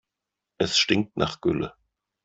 Es stinkt nach Gülle.